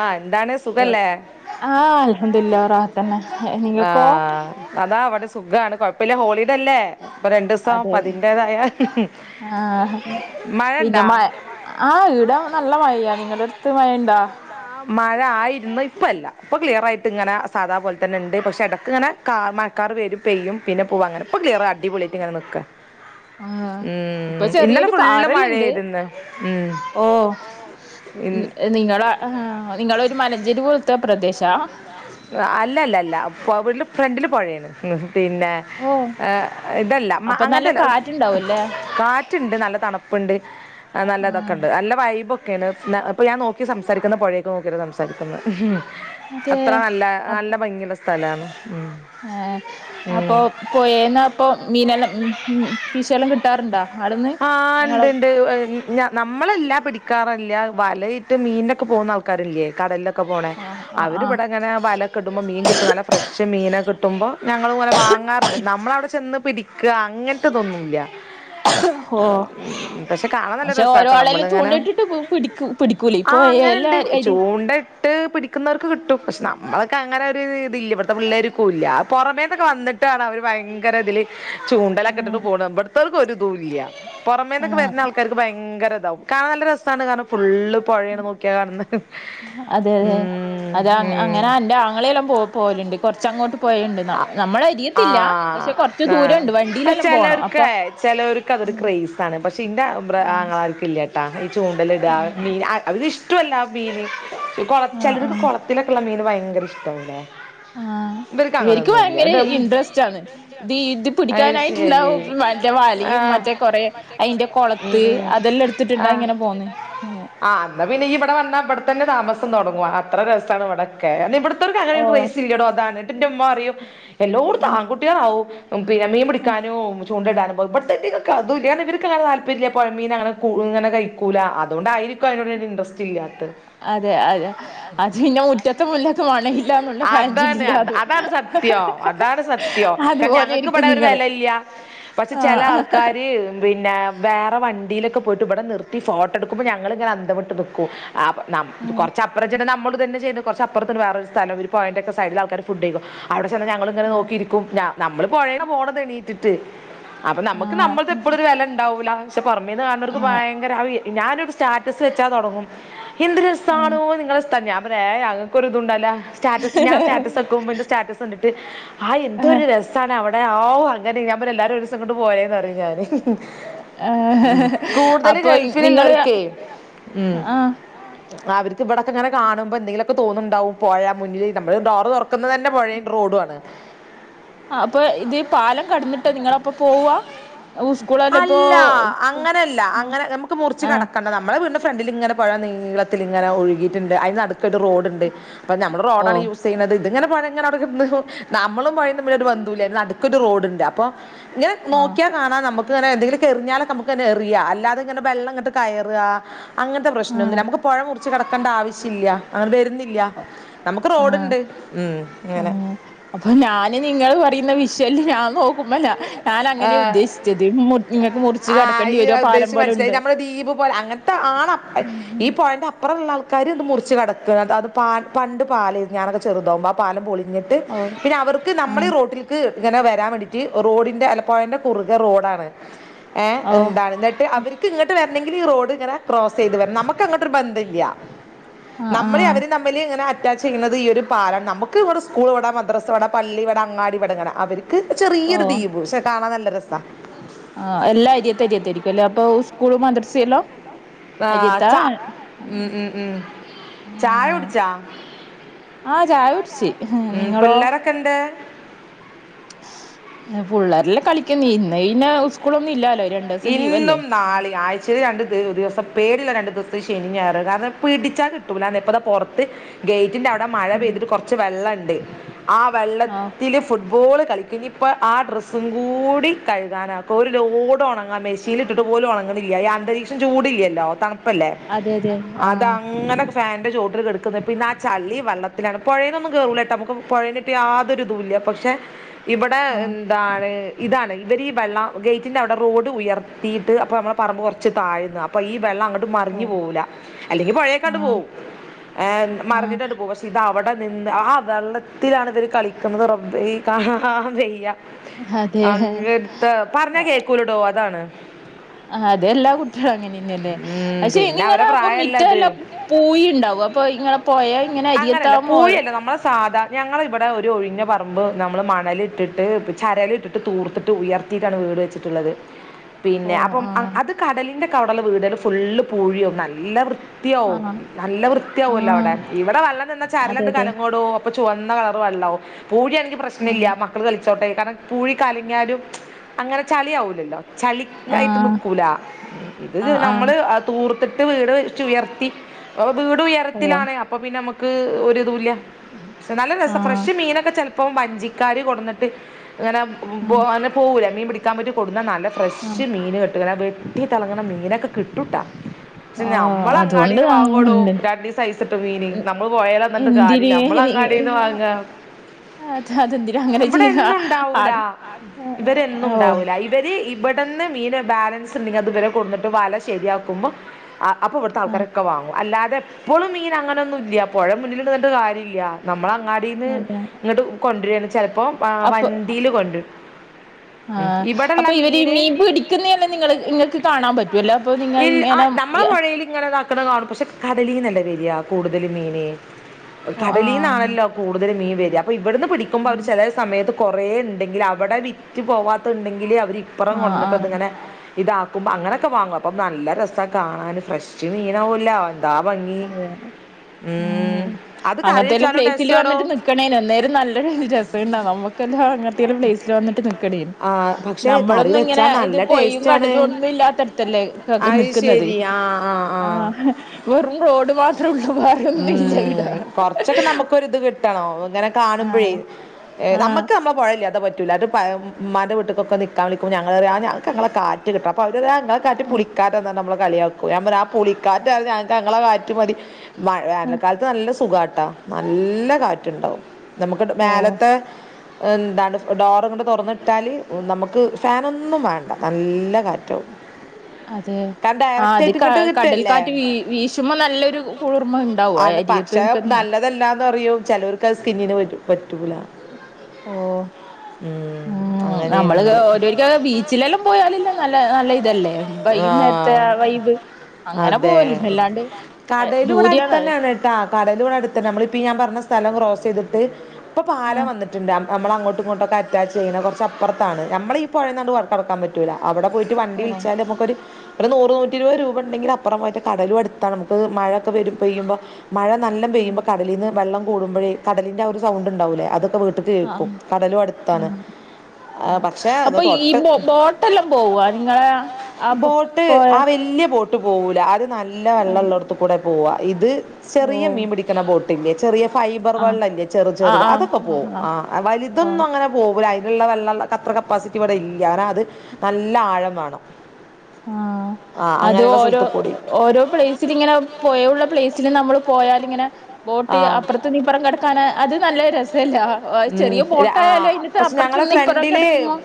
ആ എന്താണ് സുഖല്ലേ ആഹ് അൽഹംദുലില്ലാ റാഹതന്നെ എ നിങ്ങൾക്കോ അതാവ്ട സുഖാണ് കൊഴപ്പില്ല ഹോളിഡേല്ലേ പ്പൊ രണ്ട്സോം പ്പതിന്റേതായ മഴേണ്ടാ? ആഹ് ഈടെ നല്ല മഴയാ നിങ്ങളടുത്ത് മഴ എണ്ടാ? മഴ ആയിരുന്നു ഇപ്പൊ അല്ല ഇപ്പൊ ക്ലിയർ ആയിട്ട് ഇങ്ങനെ സാധാപോലെത്തന്നെണ്ട് പക്ഷെ എടക്ക് ഇങ്ങനെ കാ മഴക്കാർ വെരും പെയ്യും പിന്നെ പോവും അങ്ങനെ ഇപ്പൊ ക്ലിയർ അടിപൊളിയിട്ട് ഇങ്ങനെ നിക്കണ് ഉം ഇന്നലെ ഫുള്ള് മഴായിരുന്ന് ഉം ഇന്ന് നിങ്ങള് ആഹ് നിങ്ങള് ഒരു മലഞ്ചേരിവ് പോല്ത്തെ പ്രദേശാ? അല്ലല്ലല്ല അപ്പൊ വീട്ട്ല് ഫ്രണ്ടില് പൊഴേണ് പിന്നെ ഏഹ് ഇതല്ല, മ അങ്ങൻത്തെല്ല [unintelligible] റ്റ്ണ്ട് നല്ല തണുപ്പ്ണ്ട് എ നല്ലതൊക്കെണ്ട് നല്ല വൈബൊ ക്കേണ് ന്ന പ്പ്യഞാൻ നോക്കി സംസാരിക്കുന്ന പൊഴേക്ക് നോക്കിയാണ് സംസാരിക്കുന്നത് മ്ഹ് ത്ര നല്ല നല്ല ഭംഗിയുള്ള സ്ഥലാണ് ഉം ആഹ് അപ്പൊ പോയേന്നപ്പോ മീനെല്ല മ് മ് ഫിഷെല്ലാം കിട്ടാറുണ്ടാ അവ്ടന്ന് നിങ്ങളോ [unintelligible] ഞാ നമ്മളല്ല പിടിക്കാറല്ല്യ വലയിട്ട് മീനൊക്കെ പോകുന്ന ആൾക്കാരില്ല്യേ കടലിലൊക്കെ പോണെ ഇവിടെങ്ങനെ വല കിട്ടുമ്പോ മീൻ കിട്ടും, നല്ല ഫ്രഷ് മീനെ കിട്ടുമ്പോ ഞങ്ങളു കൊറേ വാങ്ങാറ്ണ്ട് നമ്മള് അവിടെ ചെന്ന് പിടി ക്കാ, അങ്ങനത്തെതൊന്നുല്ല്യ ആ പക്ഷെ കാണാൻ നല്ല രസാട്ടോ നമ്മളിങ്ങനെ ആ അങ്ങനെണ്ട് ഒരു ചൂണ്ടെ ട്ട് പിടിക്കുന്നവർക്ക് കിട്ടും പക്ഷെ നമ്മളൊക്കെ അങ്ങനെ ഒരു ഈ ഇതില്ല ഇവിടുത്തെ പിള്ളേര്ക്കൂല്ല പുറമേന്നൊക്കെ വന്നിട്ടാണ് അവർ ഭയങ്കര ഇതില് ചൂണ്ടലക്ക ഇട്ടിട്ട് പോണത് ഇബടതേൾക്ക് ഒരിതുല്ല്യ പുറമേന്നൊക്കെ വരുന്ന ആൾക്കാർക്ക് ഭയങ്കരതാകും കാണാൻ നല്ല രസാണ് കാരണം ഫുള്ള് പൊഴേണ് നോക്കിയാ കാണുന്നെ [unintelligible] മ് [unintelligible] അങ്ങനാ എന്റെ ആങ്ങളെല്ലാം പോ പോകലുണ്ട് കുറച്ചങ്ങോട്ട് പൊഴേണ്ട് നമ്മ നമ്മളെ അരിയത്തില്ല പക്ഷെ കുറച്ച് ആ അ ചെലർക്കേ ചെലർക്ക് അതൊരു ക്രേസാണ് പക്ഷെ ഇന്റെ ആ ബ്ര ആങ്ങളാർക്ക് ഇല്ല്യാട്ടാ ഈ ചൂണ്ടല്ടാ മീൻ അ അവരിഷ്ടോല്ല ആ മീന് ഈ കൊള ചിലർക്ക് കൊളത്തി ത്തിലൊക്കെള്ള മീൻ ഭയങ്കര ഇഷ്ടല്ലെ ഇവരിക്ക് വയങ്കര ഇ ഇൻട്രസ്റ്റാണ്, ദീ ഇത് പിടിക്കാനായിട്ട്ള്ള മറ്റേ വലയും മറ്റെ കൊറെ അയിന്റെ കൊളത്ത് അതെല്ലാം എടുത്തിട്ട്ണ്ടാ ഇങ്ങനെ പോന്നേ ആ ന്നാ പിന്നെ ഇയ്യ് ഇബട വന്നാ ഇബടെതന്നെ താമസം തൊടങ്ങും അത്ര രസാണ് ഇബടെ ക്കെ അല്ലെ ഇവടത്തോർക്ക് അങ്ങനെ ക്കെ പൈസ ഇല്ല്യടോ അതാണ് ന്നിട്ട് ൻ്റുമ്മറയും എല്ലോട്ത്തും ആൺകുട്ടികളാവും മ് പിന്നെ മീൻ പിടിക്കാനോ ചൂണ്ടടാനും പോവും ഇബടത്തീങ്ങക്ക് അതുല്യ കാരണം ഇവർക്ക് അങ്ങനെ താല്പര്യ പൊഴമീന അങ്ങനെ കൂ ഇങ്ങനെ കഴിക്കൂല അതോണ്ടായിരിക്കും പ്പ അയിനോടൊരു ഇൻ്ററസ്റ്റ് ഇല്ല്യത്ത് അതെ അതെ അത് പിന്നെ മുറ്റത്തെ മുല്ലക്ക് മണയില്ല എന്നുള്ള ഭയഞ്ചൊല്ലില്ലേ അത് ത്യോ അതാണ് സത്യോ കാരണം ഞങ്ങൾക്കിബടെ ഒരു വെലല്ല്യ പക്ഷെ ചെല ആൾക്കാര് പിന്നെ വേറെ വണ്ടീലൊക്കെ പോയിട്ട് ഇവടെ നിർത്തി ഫോട്ടോ എടുക്കുമ്പോ ഞങ്ങള്ങ്ങനെ അന്തംവ്ട്ട് നിക്കും ആപ്പ് ന്നമ്മ കൊറച്ചപ്പുറം ചെന്ന് നമ്മ ചെയ്യ്ണ്ട് കൊറച്ചപ്പർത്ത്ണ്ട് വേറൊരു സ്ഥലം ഒരു പൊഴൻ്റെക്കെ സൈഡിലാൾക്കാര് ഫൂഡഴിക്കും അവിടെ ചെന്നാ ഞങ്ങളിങ്ങന നോക്കിരിക്കും ക്കും നമ്മള് പുഴേടെ പോണതണീറ്റിട്ട് അപ്പൊ നമുക്ക് നമ്മൾതെപ്പൊളൊരു വെലണ്ടാവൂല പക്ഷെ പൊറമേന്ന് കാണോർക്ക് ഭയങ്കര ഞാനൊരു സ്റ്റാറ്റസ് വെച്ചാ തൊടങ്ങും എന്ത് രെസാണോ നിങ്ങളെ സ്ഥലം ഞാൻ പറയാ ഏഹേ അങ്ങക്കൊരു ഇതുണ്ടാവൂല സ്റ്റാറ്റസ് ഞാൻ സ്റ്റാറ്റസ് വെക്കുമ്പോ ഇന്റെ സ്റ്റാറ്റസ് കണ്ടിട്ട് ഹാ എന്തൊരു രസാ രസാണ് അവടെ ആഹു അങ്ങനേനീ ഞാം പറിം എല്ലാരും ഒരൂസം ഇങ്ങട്ട് പോരേന്നറിം ഞാന് ഉം കൂടുതല് ഗൾഫിലുള്ളോർക്കെ ഉംഹ് അവർക്ക് ഇമ്പടൊക്കെങ്ങനെ കാണു മ്പോ എന്തെങ്കിലൊക്കെ തോന്ന്ണ്ടാകും പൊഴ മുന്നിലീ നമ്മള് ഡോറ് തൊറക്ക്ന്നതന്നെ പൊഴീം റോഡുവാണ് ആഹ് അപ്പഇത് പാലം കട്ന്ന്ട്ടാ നിങ്ങളപ്പൊ പോവാ? അല്ല അങ്ങനല്ല അങ്ങനെ ഞമ്മക്ക് മുറിച്ച് കടക്കണ്ട നമ്മളെ വീടിന്റെ ഫ്രണ്ടിലിങ്ങനെ പൊഴ നീളത്തിലിങ്ങനെ ഒഴുകിയിട്ട്ണ്ട് അയിൻ്റെ നടുക്കൊരു റോഡ്ണ്ട് അപ്പൊ ഞ്ഞമ്മള് റോഡാണ് യൂസെ യ്യ്ണത് ഇത്ങ്ങനെ പൊഴങ്ങനെ അവ്ടെ കെടന്ന് നമ്മളും പൊഴിം തമ്മിലൊരു ബന്ധൂല്ല്യാ അയിന്റെ് നടുക്കൊരു റോഡ്ണ്ട് അപ്പൊ ഇങ്ങനെ നോക്കിയ കാണാ നമ്മക്ക്ങ്ങനെ എന്തെങ്കിലൊകെ എറിഞ്ഞാലൊക്കെ നമുക്ക്ങ്ങെനെ എറിയാ അല്ലാതെങ്ങെനെ വെള്ളങ്ങട്ട് കയെറാ അങ്ങൻത്തെ പ്രശ്നൊന്നുല്ല്യ ഞമ്മക്ക് പൊഴ മുറിച്ച് കെടക്കണ്ട ആവശ്യല്ല്യ ആഹ് വെരുന്നില്ല്യ നമുക്ക് റോഡ്ണ്ട് ഉം ഹ് അങ്ങനെ അപ്പൊ ഞാന് നിങ്ങള് പറയുന്ന വിഷല് ഞാൻ നോക്കുമ്പ ഞാ നങ്ങനെയാ ഉദ്ദേശിച്ചത് മുർ ഇങ്ങക്ക് മുർച്ച് കെട്കെണ്ടി വരോ പാലം പോലെണ്ട് [unintelligible] ഈ പോയൻ്റെ അപ്പറള്ള ആൾക്കാര് ഇത് മുറിച്ച് കടക്കാണ് അത് പാ പണ്ട് പാലേനി ഞാനൊക്കെ ചെറുതോകുമ്പോ പാലം പൊളിഞ്ഞിട്ട് പിന്നെ അവർക്ക് നമ്മളീ റോട്ടിൽക്ക് ഇങ്ങനെ വെരാൻ വേണ്ടീട്ട് റോഡിന്റെ അല് പൊയന്റെ കുറുകെ റോഡാണ് ഏഹേ എന്താണ് ന്ന്ട്ട് അവ ക്ക്ങ്ങട്ട് വെരണെങ്കില് ഈ റോഡ്ങ്ങനെ ക്രോസ് ചെയ്ത് വരണം നമക്ക് അങ്ങട്ടൊരു ബന്ധല്ല്യ നമ്മളി അവ രും തമ്മില് ഇങ്ങെനെ അറ്റാചെയ്യണത് ഇയൊരു പാലാണ് നമുക്ക് വിടെ സ്കൂൾവിടാ മദ്രാസ് ഇവടാ പള്ളിവിടെ അങ്ങടിവിടെ ഇങ്ങനെ അവർ ക്ക് ചെറിയൊരു ദ്വീപ് പക്ഷെ കാണാൻ നല്ല രസാ ആഹ് എല്ലാ അരിയത്തെ അരിയത്തായിരിക്കും അല്ലേ അപ്പൊ സ്കൂളും മദ്രസല്ലോ? അരിയത്താ ആഹ് ആഹ് ചായൊട്ച്ചി നിങ്ങളോ? ക്കെണ്ട് പുള്ളേരെല്ലാം കളിക്കന്നി ഇന്നെയിന്നെ സ്കൂളൊന്നും ഇല്ലാല്ലോ? ര ഇന്നും നാളും ആയ് ച്ചേല് രണ്ട് ദ് ദി ദിവസം പേടിള്ള രണ്ട് ദിവസപ്പം ഈ ശെനിം, ഞായറാണ് കാരണം പിടിച്ചാ കിട്ടൂലാന്നേ ഇപ്പതാ പൊറ്ത്ത് ഗേയ്റ്റിന്റവ്ടെ മഴ പെയ്ത്ട്ട് കൊറച്ച് വെള്ളണ്ട് ആ വെള്ളത്തില് ഫുട്ബോള് കളിക്ക ഇഞ്പ്പോ ആ ഡ്രസ്സും കൂടി കഴുകനാക്കും ഒരു ലോഡ് ഒണ ണ്ട് മെഷീനിട്ട്ട്ട് പോലും ഒണങ്ണില്ല ഈ അന്തരീക്ഷം ചൂടില്ലല്ലോ തണ് പ്പല്ലെ? അതങ്ങനെ ഫാൻ്റേ ചോട്ടി കെടുക്കുന്ന് പിന്നെ ആ ചളി വള്ളത്തിലാണ് പുഴേന്നൊന്നും കേറൂലട്ടോ നമുക്ക് പുഴേൻ്റെ യാതൊരു ഇതുംല്ല്യ പക്ഷെ ഇമ്പടെ എന്താണ് ഇതാണ് ഇവരീ വെള്ള ഗേറ്റിന്റവിടെ റോ ഡുയർത്തിയിട്ട് അപ്പൊ നമ്മളെ പറമ്പ് കൊർച്ച് താഴ്ന്നാ അപ്പൊ ഈ വെള്ളങ്ങട്ട് മറിഞ്ഞു പോവൂല്ല അല്ലെങ്കി പെഴേക്കാട്ട് പോവും ഏഹേ മറിഞ്ഞിട്ടാട്ട് പോവും. ഇതവിടെ നിന്ന് ആ വെള്ളത്തിലാണ് ഇവര് കളിക്കുന്നത് റബ്ബേ കാണാ വെയ്യ അങ്ങൻത്തെ പർഞാ കേക്കൂലടോ? അതാണ്. ആഹ് അതെ എല്ലാ കുട്ടിയളും അങ്ങനെയെന്നെല്ല്യ പക്ഷെ നിങ്ങളാപ്പ മിറ്റവല്ലാം പൂഴിണ്ടാവോ? അപ്പൊ ഇങ്ങളെ പോയാ ഇങ്ങനെ അരിയത്താവുമ്പോ സാധാ ഞങ്ങള് ഇബടെ ഒരു ഒഴിഞ്ഞ പറമ്പ് നമ്മള് മണലിട്ടിട്ട് ചരലിട്ടിട്ട് ട്ട് തൂർത്ത്ട്ട് ഉയർത്തിയിട്ടാണ് വീട് വെച്ചിട്ടുള്ളത്. പിന്നെ അപ്പം അത് കടലിന്റെക്കവ്ടള്ള വീടള് ഫുള്ള് പൂഴിയോ നല്ല വൃ ത്തിയാവും നല്ല വൃത്തിയാവല്ലോ അവടെ. ഇവടെ വെള്ളം വന്ന ചരലണ്ട് കലങ്ങടോ. അപ്പൊ ചുവന്ന കളർ വള്ളാവും. പൂരി ആണെങ്കി പ്രശ്ന ഇല്ല അമ്മ മക്കള് കളിച്ചോട്ടെ. കാര്ണം പൂഴി കലങ്ങിയാലും അങ്ങനെ ചളിയാവുല്ലല്ലോ.. ചളി ആയിട്ട് നിക്കൂല. ഇത് നമ്മള് തൂർത്തിട്ട് വീട് ച്ചുയർത്തി അപ്പൊ വീട് ഉയര്ത്തിലാണ് അപ്പൊ പിന്നെ അമ്മക്ക് ഒരിതുല്ല. നല്ല രസാ ഫ്രഷ് മീനൊക്കെ ചെൽപ്പോ വഞ്ചിക്കാർ കൊട്ന്നിട്ട് ഇങ്ങനെ പോ പോവൂല്ല. മീൻ പിടിക്കാൻ പോയ്ട്ട് കൊടുന്ന നല്ല ഫ്രഷ് മീന് കിട്ടും ട്ടീ തളങ്ങ്ണ മീനൊക്കെ കിട്ടൂട്ടാ. ശെ നമ്മള അങ്ങാടിന്ന് വാങ്ങൊടോ. രണ്ടീസൈസിട്ട മീന് നമ്മള് പൊയേല് ന്നിട്ട് കാര്യല്ല നമ്മള അങ്ങാടി ന്ന് വാങ്ങാ. ഇവിടെന്നുംണ്ടാവൂല ഇവര് എന്നുണ്ടാവൂല. ഇവര് ഇബടന്ന് മീന് ബാലൻസ് ണ്ടെങ്കി അത് വരെ കൊട്ന്നിട്ട് വല ശരിയാക്കുമ്പോ ആ അപ്പൊ വട്ത്തെ ആൾക്കാരൊക്കെ വാങ്ങും അല്ലാതെ പ്പൊളും മീന് അങ്ങനൊന്നും ഇല്ല. പൊഴ മുന്നില് ഇണ്ടർഞ്ഞിട്ട് കാര്യല്ല. നമ്മള് അങ്ങാടീന്ന് ഇങ്ങട്ട് കൊണ്ട്രാണ് ചെൽപ്പോ വണ്ടീല് കൊണ്ടരും. ആഹ് അപ്പൊ ഇവര് മീൻ പിടിക്കുന്നെല്ലെ നിങ്ങള് ഇങ്ങക്ക് കാണാൻ പറ്റുവല്ലോ അപ്പൊ നിങ്ങ ഇങ്ങനെ ഇങ്ങനെതാക്ക്ണ കാണും. പശെ കടലീന്നെല്ല വര കൂടുതല് മീന് കടലീന്നാണല്ലോ കൂടുതൽ മീൻ വര. അപ്പ ഇവടുന്ന് പിടിക്കുമ്പോ അവര് ചെലേ സമയത്ത് കൊറെ ഇണ്ടെങ്കില് അവടെ വിറ്റ് പോവാത്തുണ്ടെങ്കില് അവരിപ്പൊറം കൊണ്ടന്നിട്ട് അതിങ്ങനെ ഇതാക്കുമ്പോ അങ്ങനെയൊക്കെ വാങ്ങും അപ്പം നല്ല രസാ കാണാന് ഫ്രഷ് മീനാവൊല്ല. ത്താ പണ്ണി ഉം അങ്ങൻത്തേല് പ്ലേറ്റില് വന്നിട്ട് നിക്കണേന്നു അന്നേരം നല്ല ര സണ്ടാകും നമുക്കെന്നെ അങ്ങ പ്ലേസില് വന്നിട്ട് നിക്കടി നമ്മളൊന്നു ഇങ്ങനെ ഇത് പൊയിം കടലും ഒന്നും ഇല്ലാത്തട്ത്തല്ലേ. നിക്ക്ന്നത് ആ വെറും തോട് മാത്രള്ളു മഴന്നുംല്ല ഇടെ ആഹ് ഏഹ് നമ്മക്ക് നമ്മള പൊഴല്ലതെ പറ്റൂല്ല. അത് പ്പ മ്മാന്റെ വീട്ട്ക്കൊക്കെ നിക്കാൻ വിളിക്കുമ്പോ ഞങ്ങളറിം ഞങ്ങക്ക് ഞങ്ങള കാറ്റ് കിട്ടണം. അപ്പൊ അവരറിം ആ ഇങ്ങളെ കാറ്റ് പുളിക്കാറ്റാന്ന നമ്മള് കളിയാക്കും. ഞാ പർയാ ആ പുളിക്കാറ്റായാലും ഞൻക്ക് ഞങ്ങളെ കാറ്റ് മതി. മഴ വേനൽക്കാലത്ത് നല്ല സുഖാട്ടാ നല്ല കാറ്റ്ണ്ടാവും.. നമുക്ക് ണ്ട മേലത്തെ എന്താണ് ഡോറങ്ങട്ട് തൊർന്നിട്ടാല് നമുക്ക് ഫാനൊന്നും വേണ്ട നല്ല കാറ്റാവും. അതെ ആഹ് അത് കടൽ കാറ്റ് വീശുമ്പോ നല്ലൊരു കുളിർമ ഇണ്ടാവും. അരി പക്ഷെ നല്ലതല്ലാന്നറിയും ചെലോർക്കത് സ്കിന്നിന് പറ്റു പറ്റൂല. ഓഹ് ഉം നമ്മള് ഓരോര്ക്കും ബീച്ചിലെല്ലാം പോയാലല്ല നല്ല നല്ല ഇതല്ലേ. ബൈന്നേര്ത്തെ ആ വൈബ് അങ്ങനെ പോവല്ണ്ട് അല്ലാണ്ട് കടല് വിടെ അടുത്തന്നാണ്. ആഹ് കടല് വടെ അടുത്തന്നെ നമ്മളിപ്പ ഞാ പർഞ്ഞ സ്ഥലം ക്രോസെയ്തിട്ട് ഇപ്പം പാല വന്നിട്ടുണ്ട് നമ്മള അങ്ങോ ട്ടും ഇങ്ങോട്ടൊക്കെ അറ്റാച്ച് ചെയ്യ്ണ കൊർച്ച് അപ്പർത്താണ് ഞമ്മളെ ഈ പൊഴേന്നാണ്ട് വ കട്ക്കാൻ പറ്റൂല. അവിടെ പോയി വണ്ടി വിൾച്ചാല് മ്മക്കൊരു ഒരു നൂറ് നൂറ്റിരുവ രൂപണ്ടെങ്കില് അപ്പൊറ പോയിട്ട് കടലും അ ട്ത്താണ് നമുക്ക് മഴൊക്കെ വരു പെയ്യുമ്പം മഴ നല്ല പെയ്യുമ്പോ കടലിന്ന് വെള്ളം കൂടുമ്പോഴ കടലിൻ്റെ ഒരു സൗണ്ട്ണ്ടാവ്ല്ലേ അതൊക്കെ വീട്ട്ക്ക് കേക്കും. കടലും അട്ത്താണ്. ആ പക്ഷെ അ തൊട്ട് ബോട്ട് ആ വല്ല്യ ബോട്ട് ട്ട് പോവൂലാ. അത് നല്ല വെള്ളള്ളോട്ത്ത് കൂടെ പോവാ ഇത് ചെറിയ മീൻ പിടിക്ക്ണ ബോ ചെറിയ ഫൈബർ വള്ളല്ലെ ചെറ് ചെറുത് അതൊക്കെ പോവും. ആ വലുതൊന്നും അങ്ങനെ പോവൂല. അയ്ന്ള്ള വെള്ളള്ള അത്ര കപ്പാസിറ്റി ഇവിടെയില്ല. അന അത് നല്ല ആഴം വാണം. ആഹ് അത് ഓരോ ഓരോ പ്ലേസിലങ്ങനെ പൊഴയുള്ള പ്ലേസിലും നമ്മള് പോയാൽ ഇങ്ങനെ ബോട്ട് അപ്പുറത്ത് നീപ്പറം കിടക്കാന് അത് നല്ല രസ അതല്ല ചെറിയ ബോട്ടായാലോ അയൻ്റെ അപ്പുറത്തന്ന് ഇപ്പറം കിടക്കുമോ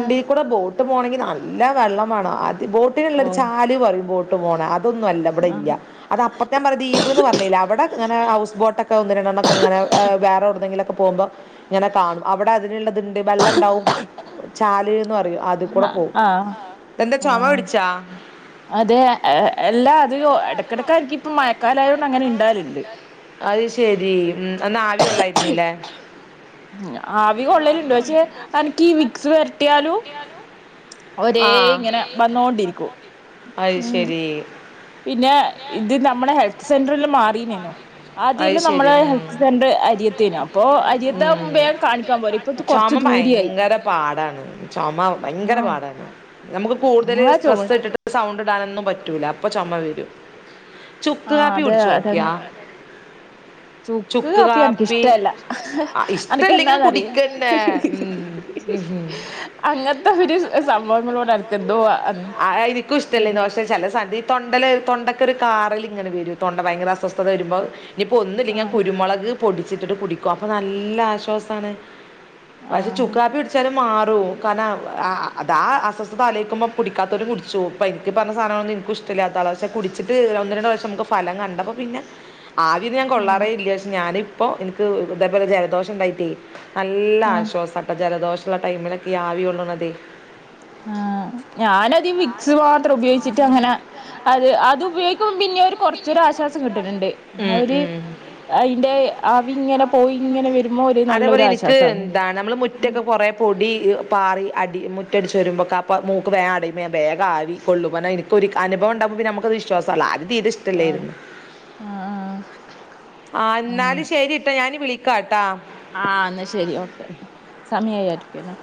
ആഹ് കൂടെ ബോട്ട് പോകണങ്കിൽ നല്ല വെള്ളം വേണം അത് ബോട്ടിനുള്ളൊ ചാല് പറയും ബോട്ട് പോണ അത് അതെന്നും ഇല്ല ഇവിടെ ഇല്ല അത് അപ്പ ഞാൻ പറ ദീപ എന്ന് പറഞ്ഞില്ല അവിടെ അങ്ങനെ ഹൗസ് ബോട്ടൊക്കെ ഒന്നിരണ്ടണംങ്ങനെ വേറെടന്നെങ്കിലൊക്ക പോകുംമ്പോ ങ്ങനെ കാണും അവിടെ അതിനുള്ളത്ണ്ട് വെള്ളംണ്ടാവും ചാല്ന്ന് പറ അത് കൂടെ പോവും എന്താ ചുമ പിടിച്ചാ അതെ എല്ലാ അത് ഇടക്കിടക്ക ക്ക് പ്പം മയക്കാലായതോണ്ട് അങ്ങനെ ഇണ്ടാകലുണ്ട് അയ് ശെരി ഉം ഒന്ന് ആവി കൊള്ളായിരുന്നല്ലേ ആവി കൊള്ളലുണ്ട് പക്ഷെ എനക്കീ വിക്സ് പെരട്ടിയാലും ഒരേ ഇങ്ങനെ വന്നോണ്ടിരിക്കും ഉം പിന്നെ ഇത് നമ്മടെ ഹെൽത്ത് സെന്ററില് മാറീലേനോ ആദ്യല്ലാം നമ്മുടെ ഹെൽത്ത് സെന്റർ അരിയ ത്തിന അപ്പൊ അരിയത്തെ വേഗം കാണിക്കാൻ പോവും പ്പൊ കൊറച്ച് ദൂരിയായി ചുമാ ഭയങ്കരം പാടാ നമുക്ക് കൂടുതല് സ്ട്രെസ് ഇട്ടിട്ട് സൗണ്ട് ഇടാനൊന്നും പറ്റൂല അപ്പൊ ചുമ വരും ചുക്ക് കാപ്പി കുടിച്ചോ നേക്കിയേ ചുക്ക് കാപ്പി ഇഷ്ടല്ലെങ്കിലും കുടിക്കന്നെ ഉം ഉം ഹും അങ്ങനത്തെ ഒര് ഒര് സംഭവങ്ങളോട് എൻക്കെന്തോ ആണ് പക്ഷെ ചില സമത്ത് തൊണ്ടയില തൊണ്ടൊക്ക ഒരു കാറൽ ഇങ്ങനെ വരും തൊണ്ട ഭയങ്കര അസ്വസ്ഥത വരുമ്പോ ഇഞിപ്പോ ഒന്നും ഇല്ലങ്കിൽ ഞാൻ കുരുമുളക് പൊടിച്ചിട്ടിട്ട് കുടിക്കും അപ്പൊ നല്ല ആശ്വാസാണ് പക്ഷെ ചുക്കാപ്പിടിച്ചാലും മാറും കാരണം ആ അത് അസ്വസ്ഥതാലേക്കുമ്പോഴും കുടിക്കാത്തോലും കുടിച്ചുപ്പൊവും പറഞ്ഞ സാധനൊന്നും ഇനിക്കു ഇഷ്ടല്ലാത്ത ആളാ പക്ഷെ കുടിച്ചിട്ട് ഒന്ന് രണ്ട പ്രാവശ്യംമക്ക് ഫലം കണ്ടപ്പോ പിന്നെ ആവി ഞാൻ കൊള്ളാറേ ഇല്ല പക്ഷെ ഞാനിപ്പോ എനിക്ക് ഇതേപോലെ ജലദോഷണ്ടായിട്ടേ നല്ല ആശ്വാസംട്ടോ ജലദോഷള്ള ടൈമിലൊക്കെ ഈ ആവികൊള്ള്ണതെ ആഹ് ഞാനത് വിക്സ് മാത്രം ഉപയോഗിച്ചിട്ട് അങ്ങനെ അത് അത് ഉപയോഗിക്കുബോ പിന്നെര് കുറച്ച് ച്ചൊരാശ്വാസം കിട്ടലുണ്ട് ആ ഒര് അയിന്റെ ആവിങ്ങനെ പോയി ഇങ്ങനെ വരുമ്പോ ഒരു നല്ലൊരു ആശ്വാസമാണ് പൊടി പാറി അടി മു ടിച്ച് വരുമ്പോക്ക ആ മൂക്ക് വേഗം ബേ ഞാൻ ആവികൊള്ളും അതെനിക്കരു അനുഭവം ഉണ്ടാകുമ്പോ വിശ്വാസാകും ആദ്യ തീരെ ഇഷ് ഇഷ്‌ടലാരുന്നു ആ ഇന്നാല് ശരിട്ടെ ഞാൻ വിളി കാട്ടെ ആ എന്നാ ശരി ഓക്കെ സമയായിരിക്കല്ലെ